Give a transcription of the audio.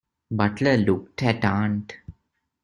Butler looked at aunt.